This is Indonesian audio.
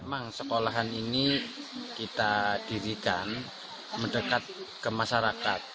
memang sekolahan ini kita dirikan mendekat ke masyarakat